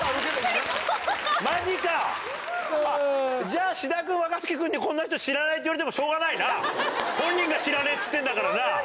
じゃあ志田君若槻君に「こんな人知らない」って言われてもしょうがないな本人が知らねえっつってんだからな。